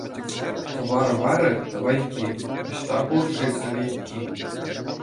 Тӑвар варӗ — тӑвайкки, ӑҫта пур-ши сӗвекки?